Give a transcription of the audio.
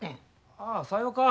ああさようか。